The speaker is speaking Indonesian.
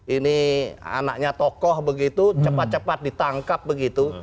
ini anaknya tokoh begitu cepat cepat ditangkap begitu